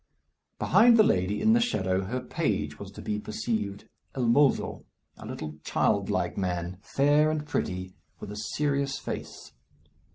Behind the lady, in the shadow, her page was to be perceived, el mozo, a little child like man, fair and pretty, with a serious face.